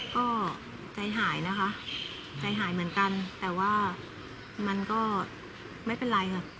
ก็ใจหายนะคะใจหายเหมือนกันแต่ว่ามันก็ไม่เป็นไรค่ะ